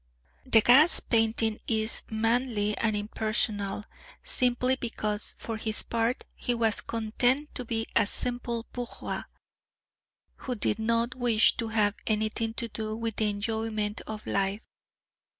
{G} Degas' painting is manly and impersonal simply because, for his part, he was content to be a simple bourgeois who did not wish to have anything to do with the enjoyment of life.